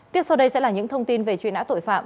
tiếp sau đây sẽ là những thông tin về chuyện á tội phạm